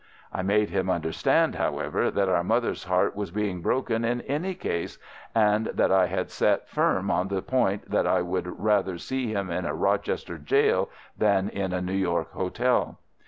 I made him understand, however, that our mother's heart was being broken in any case, and that I had set firm on the point that I would rather see him in a Rochester gaol than in a New York hotel.